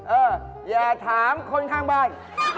เอออย่าถามคนข้างบ้าน